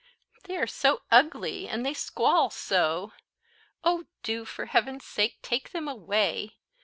They are so ugly, and they squall so! Oh do, for heaven's sake, take them away!